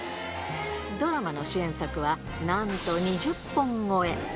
ドラマの主演作はなんと２０本超え。